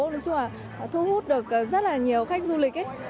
nói chung là thu hút được rất là nhiều khách du lịch ấy